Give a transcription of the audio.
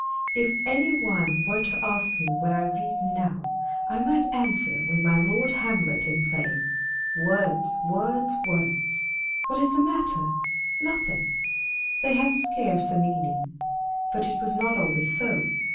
If any one were to ask me what I read now, I might answer with my Lord Hamlet in the play â€" " Words, words, words." â€" " What is the matter ?" â€" " Nothing /" â€" They have scarce a meaning. But it was not always so.